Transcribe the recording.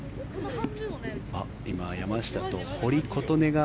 今、山下と堀琴音が。